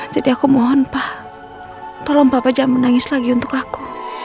jadi aku mohon pak tolong papa jangan menangis lagi untuk aku